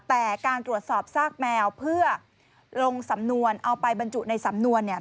แต่การตรวจสอบซากแมวเพื่อลงสำนวนเอาไปบรรจุในสำนวนเนี่ย